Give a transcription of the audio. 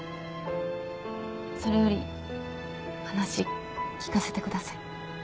それより話聞かせてください。